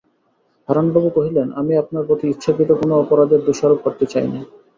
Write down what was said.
হারানবাবু কহিলেন, আমি আপনার প্রতি ইচ্ছাকৃত কোনো অপরাধের দোষারোপ করতে চাই নে।